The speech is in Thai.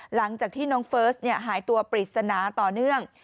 หลังจากที่น้องเฟิร์สหายตัวปริศนาต่อเนื่อง